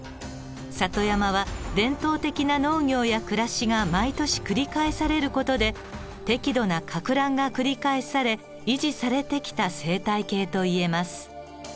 里山は伝統的な農業や暮らしが毎年繰り返される事で適度なかく乱が繰り返され維持されてきた生態系といえます。